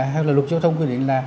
hay là luật giao thông quy định là